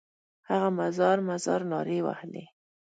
هغه مزار مزار نارې وهلې.